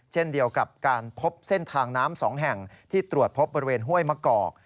เช่นเดียวกับการพบเส้นทางน้ำ๒แห่งที่ตรวจพบบริเวณห้วยมะกอก